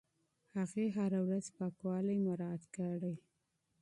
هغې هره ورځ پاکوالی مراعت کړی.